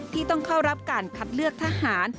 ที่ต้องเข้ารับการคัดเลือกทหาร